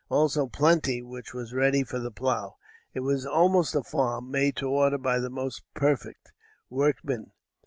Also plenty which was ready for the plow. It was almost a farm, made to order by the most perfect Workman.